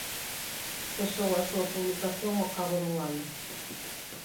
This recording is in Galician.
Cesou a súa publicación ao cabo dun ano.